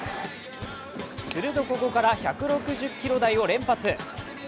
するとここから１６０キロ台を連発。